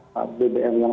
pada bbm yang